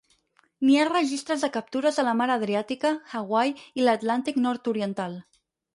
N'hi ha registres de captures a la mar Adriàtica, Hawaii i l'Atlàntic nord-oriental.